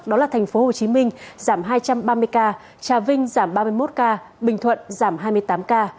đó là thành phố hồ chí minh giảm hai trăm ba mươi ca trà vinh giảm ba mươi một ca bình thuận giảm hai mươi tám ca